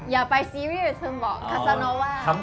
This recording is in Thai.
อย่าไปซีรีย์เธอบอกคาซาโนว่า